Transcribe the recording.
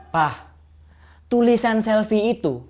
pak tulisan selfie itu